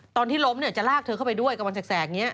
ตอนที่ล้มเนี่ยจะลากเธอเข้าไปด้วยกับวันแสกนี้